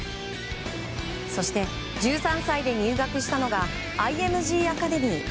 そして１３歳で入学したのがＩＭＧアカデミー。